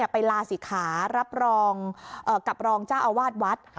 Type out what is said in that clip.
ไปลาศิกขารับรองกับรองเจ้าอาวาสวัด